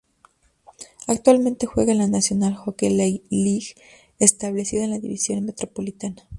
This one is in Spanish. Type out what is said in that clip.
Actualmente juega en la National Hockey League, establecido en la División Metropolitana.